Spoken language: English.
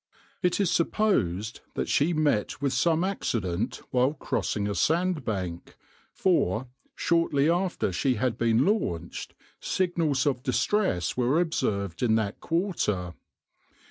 It is supposed that she met with some accident while crossing a sandbank, for, shortly after she had been launched, signals of distress were observed in that quarter.